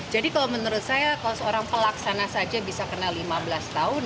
jadi kalau menurut saya kalau seorang pelaksana saja bisa kena lima belas tahun